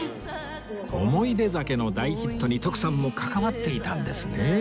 『おもいで酒』の大ヒットに徳さんも関わっていたんですね